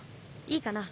いいかな？